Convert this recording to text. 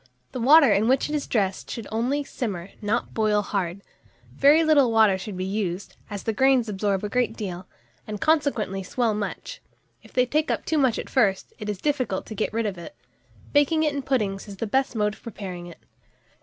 The water in which it is dressed should only simmer, and not boil hard. Very little water should be used, as the grains absorb a great deal, and, consequently, swell much; and if they take up too much at first, it is difficult to get rid of it. Baking it in puddings is the best mode of preparing it.